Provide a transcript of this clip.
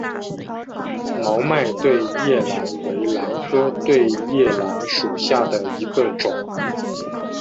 毛脉对叶兰为兰科对叶兰属下的一个种。